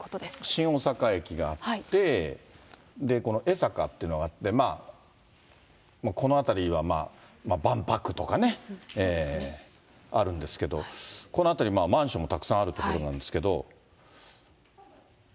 新大阪駅があって、この江坂っていうのがあって、まあこの辺りは万博とかね、あるんですけど、この辺り、マンションもたくさんある所なんですけれども。